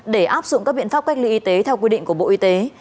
để áp dụng các biện pháp cách ly y tế theo quy định của bộ y tế